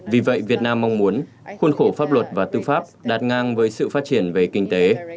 vì vậy việt nam mong muốn khuôn khổ pháp luật và tư pháp đạt ngang với sự phát triển về kinh tế